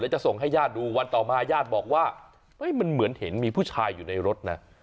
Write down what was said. จะส่งให้ญาติดูวันต่อมาญาติบอกว่ามันเหมือนเห็นมีผู้ชายอยู่ในรถนะ